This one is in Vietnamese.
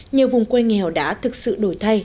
nhiều vùng quê nghèo đã thực sự đổi thay